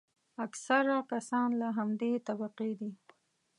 اکثره کسان له همدې طبقې دي.